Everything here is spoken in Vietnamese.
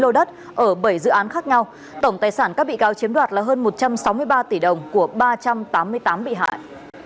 lô đất ở bảy dự án khác nhau tổng tài sản các bị cáo chiếm đoạt là hơn một trăm sáu mươi ba tỷ đồng của ba trăm tám mươi tám bị hại